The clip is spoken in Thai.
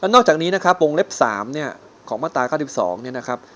นอกจากนี้วงเล็บ๓ของมาตรา๙๒